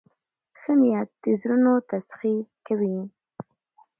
ښه نیت د زړونو تسخیر کوي.